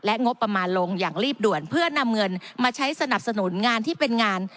งบประมาณลงอย่างรีบด่วนเพื่อนำเงินมาใช้สนับสนุนงานที่เป็นงาน